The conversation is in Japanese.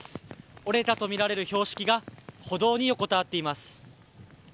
折れたとみられる標識が歩道に横たわっています。